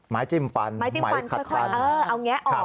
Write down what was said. ไม้จิ้มฟันไม้คัดฟันเออเอาอย่างนี้อ๋อ